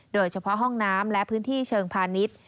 โดยเฉพาะห้องน้ำและพื้นที่เชิงพาณิชย์